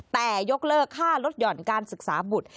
แต่ยกเลิกค่าลดหย่อนการศึกษาบุตร